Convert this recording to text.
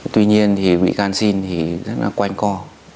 tuy nhiên thì bị can xin thì rất là quanh co